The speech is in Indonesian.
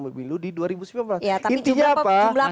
memilu di dua ribu sembilan belas intinya apa